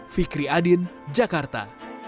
fikri adin jakarta